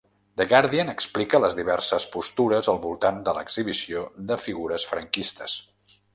The Guardian explica les diverses postures al voltant de l’exhibició de figures franquistes.